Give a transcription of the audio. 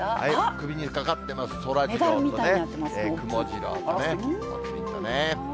首にかかってます、そらジローとね、くもジローとね、ぽつリンとね。